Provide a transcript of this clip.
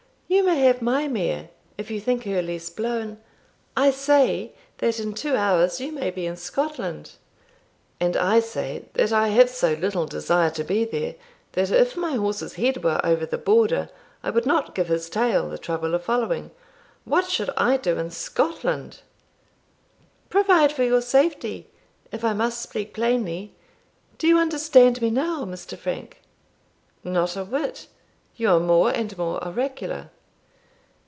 "You may have my mare, if you think her less blown I say, that in two hours you may be in Scotland." "And I say, that I have so little desire to be there, that if my horse's head were over the Border, I would not give his tail the trouble of following. What should I do in Scotland?" "Provide for your safety, if I must speak plainly. Do you understand me now, Mr. Frank?" "Not a whit; you are more and more oracular."